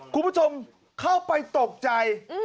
คุณผู้ชมเข้าไปตกใจ